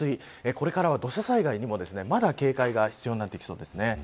これからは土砂災害にもまだ警戒が必要になってきそうです。